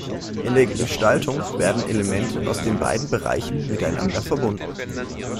In der Gestaltung werden Elemente aus den beiden Bereichen miteinander verbunden.